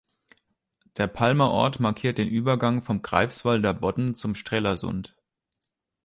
Der Palmer Ort markiert den Übergang vom Greifswalder Bodden zum Strelasund.